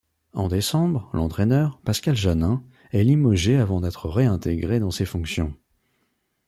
En décembre, l'entraîneur, Pascal Janin, est limogé avant d'être réintégré dans ses fonctions.